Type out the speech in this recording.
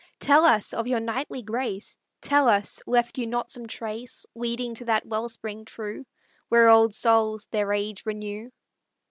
Tell us, of your knightly grace, Tell us, left you not some trace Leading to that wellspring true Where old souls their age renew?